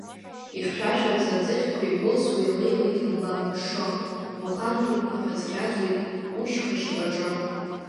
Ихьшәашәаӡа аӡыхьқәа иугәылсуа илеиуеит илбааҽҽо, ухан дуқәа ӷьазӷьазуеит ушьха ашьапаҿы.